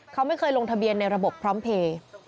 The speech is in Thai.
เขาไม่เคยลงทะเบียนในระบบพร้อมเพลย์